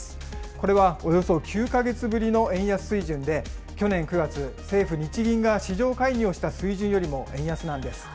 これはおよそ９か月ぶりの円安水準で、去年９月、政府・日銀が市場介入をした水準よりも円安なんです。